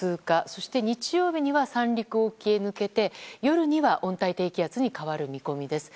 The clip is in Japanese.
そして日曜日には三陸沖に抜けて夜には温帯低気圧に変わる見込みです。